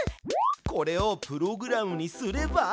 これをプログラムにすれば。